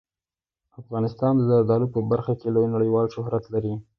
افغانستان د زردالو په برخه کې لوی نړیوال شهرت لري.